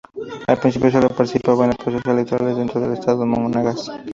Al principio, sólo participaba en procesos electorales dentro del estado Monagas.